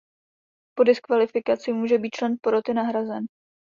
Po diskvalifikaci může být člen poroty nahrazen.